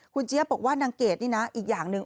คุณเจี๊ยบบอกว่านางเกดนี่นะอีกอย่างหนึ่ง